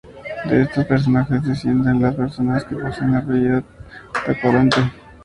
De estos personajes descienden las personas que poseen el apellido Tacoronte.